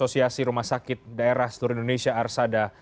ada asi rumah sakit daerah seluruh indonesia arsada